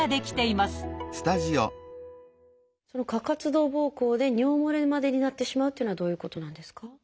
過活動ぼうこうで尿もれまでになってしまうっていうのはどういうことなんですか？